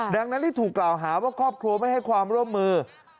ดังนั้นที่ถูกกล่าวหาว่าครอบครัวไม่ให้ความร่วมมือ